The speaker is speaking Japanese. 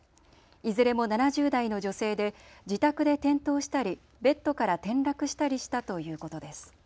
いずれも７０代の女性で自宅で転倒したりベッドから転落したりしたということです。